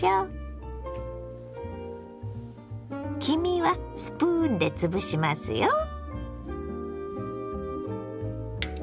黄身はスプーンでつぶしますよ。